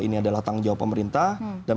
ini adalah tanggung jawab pemerintah dan